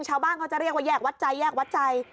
ชาวบ้านเขาจะเรียกว่าแยกวัดใจแยกวัดใจ